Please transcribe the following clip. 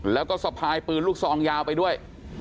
แล้วก็สะพายปืนลูกซองยาวไปด้วย